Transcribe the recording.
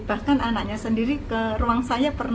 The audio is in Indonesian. bahkan anaknya sendiri ke ruang saya